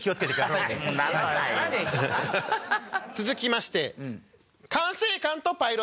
続きまして。